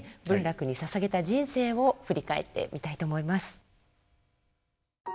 文楽にささげた人生を振り返ってみたいと思います。